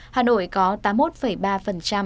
hà nội có tám mươi một ca tử vong